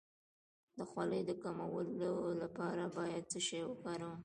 د خولې د کمولو لپاره باید څه شی وکاروم؟